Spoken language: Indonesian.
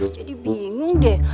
jadi bingung deh